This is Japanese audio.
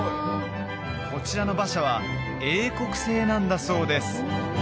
こちらの馬車は英国製なんだそうです